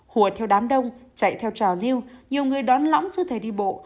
hùa theo đám đông chạy theo trào niu nhiều người đón lõng sư thầy đi bộ